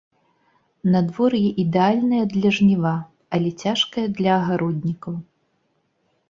Надвор'е ідэальнае для жніва, але цяжкае для агароднікаў.